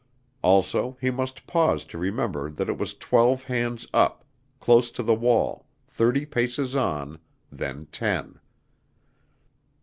Also he must pause to remember that it was twelve hands up, close to the wall, thirty paces on, then ten.